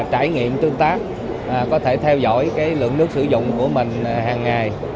trải nghiệm tương tác có thể theo dõi lượng nước sử dụng của mình hàng ngày